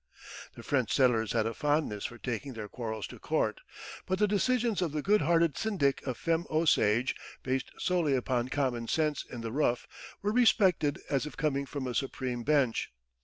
The French settlers had a fondness for taking their quarrels to court; but the decisions of the good hearted syndic of Femme Osage, based solely upon common sense in the rough, were respected as if coming from a supreme bench.